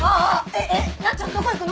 えっえっなっちゃんどこ行くの？